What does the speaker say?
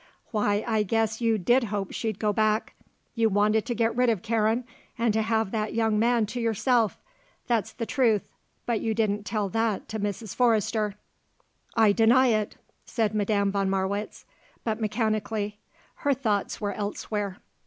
Why I guess you did hope she'd go back. You wanted to get rid of Karen and to have that young man to yourself; that's the truth, but you didn't tell that to Mrs. Forrester." "I deny it," said Madame von Marwitz; but mechanically; her thoughts were elsewhere.